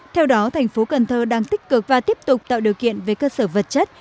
theo đó thành phố cần thơ đang tích cực và tiếp tục tạo điều kiện về cơ sở vật chất